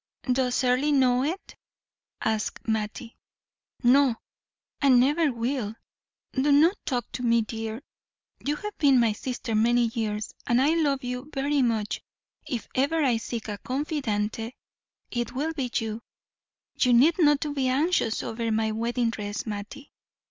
"Does Earle know it?" asked Mattie. "No, and never will. Do not talk to me, dear; you have been my sister many years, and I love you very much; if ever I seek a confidante it will be you. You need not be anxious over my wedding dress, Mattie.